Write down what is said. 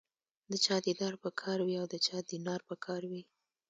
د چا دیدار په کار وي او د چا دینار په کار وي.